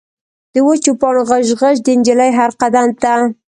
د وچو پاڼو غژ، غژ، د نجلۍ هر قدم ته